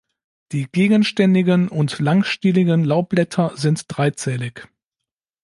Die gegenständigen und langstieligen Laubblätter sind dreizählig.